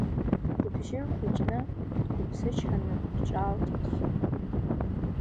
Лыбжьы рхәыҷны, дқәыԥсычҳаны иҿаалҭит Хьыма.